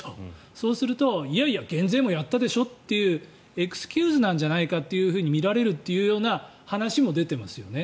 そうするといやいや、減税もやったでしょとエクスキューズなんじゃないかとみられるというような話も出てますよね。